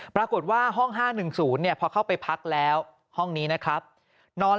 ปรากฏว่าห้อง๕๑๐พอเข้าไปพักแล้วห้องนี้นะครับนอน